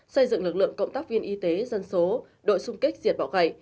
xây dựng lực lượng cộng tác viên y tế dân số đội xung kích diệt bỏ gậy